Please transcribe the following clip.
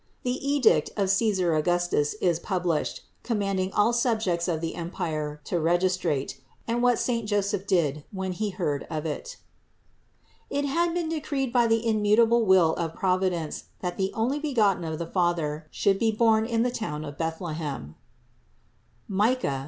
THE EDICT OF C^SAR AUGUSTUS is PUBLISHED, COM MANDING ALL SUBJECTS OF THE EMPIRE TO REGIS TRATE; AND WHAT SAINT JOSEPH DID WHEN HE HEARD OF IT. 448. It had been decreed by the immutable will of Providence that the Onlybegotten of the Father should be born in the town of Bethlehem (Mich.